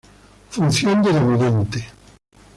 Función de dominante.